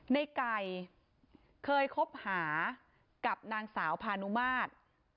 ในไก่เคยคบหากับนางสาวพานุมาตร